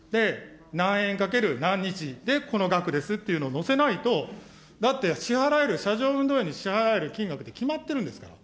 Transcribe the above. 何円×何日でこの額ですっていうのをのせないと、だって支払える、車上運動員に支払える金額って、決まってるんですから。